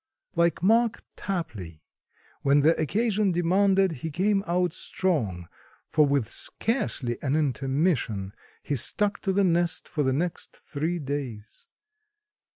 Like Mark Tapley, when the occasion demanded he came out strong, for with scarcely an intermission he stuck to the nest for the next three days.